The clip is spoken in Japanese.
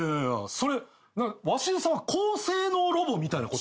それ鷲津さんは高性能ロボみたいなこと？